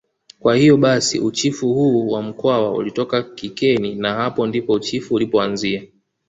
Kwa hiyo basi uchifu huu wa mkwawa ulitoka kikeni na hapo ndipo uchifu ulipoanzia